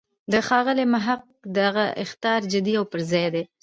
د ښاغلي محق دغه اخطار جدی او پر ځای دی.